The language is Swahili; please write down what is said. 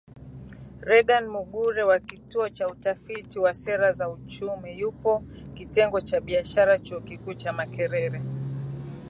Reagan Mugume wa Kituo cha Utafiti wa Sera za Uchumi, yupo Kitengo cha Biashara Chuo Kikuu cha Makerere